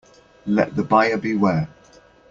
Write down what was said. Let the buyer beware.